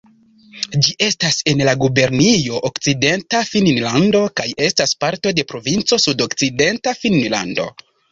Ĝi estas en la gubernio Okcidenta Finnlando kaj estas parto de provinco Sudokcidenta Finnlando.